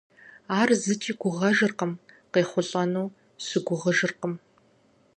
Ар зыкӏи гугъэжыркъым, къехъулӀэну щыгугъыжыркъым.